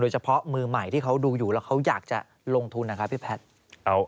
เฉพาะมือใหม่ที่เขาดูอยู่แล้วเขาอยากจะลงทุนนะครับพี่แพทย์